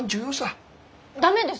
駄目です。